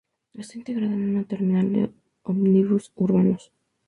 Está integrada a una terminal de ómnibus urbanos.